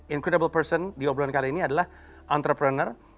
incredible person di obrolan kali ini adalah entrepreneur